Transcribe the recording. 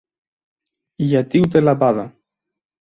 γιατί ούτε λαμπάδα